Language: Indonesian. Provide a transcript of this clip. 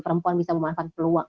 perempuan bisa memanfaatkan peluang